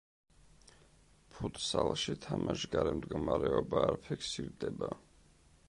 ფუტსალში თამაშგარე მდგომარეობა არ ფიქსირდება.